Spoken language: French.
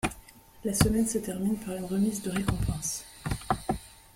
La semaine se termine par une remise de récompenses.